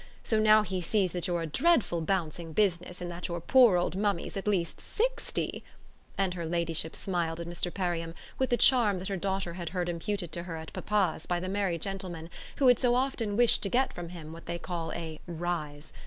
So now he sees that you're a dreadful bouncing business and that your poor old Mummy's at least sixty!" and her ladyship smiled at Mr. Perriam with the charm that her daughter had heard imputed to her at papa's by the merry gentlemen who had so often wished to get from him what they called a "rise."